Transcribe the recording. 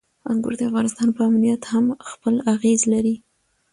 انګور د افغانستان په امنیت هم خپل اغېز لري.